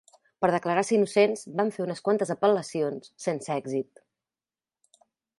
Per declarar-se innocents, van fer unes quantes apel·lacions, sense èxit.